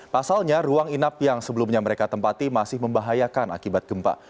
pasalnya ruang inap yang sebelumnya mereka tempati masih membahayakan akibat gempa